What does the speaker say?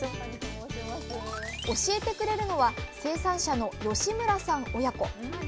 教えてくれるのは生産者の吉村さん親子。